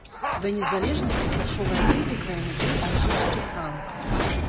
Да незалежнасці грашовай адзінкай краіны быў алжырскі франк.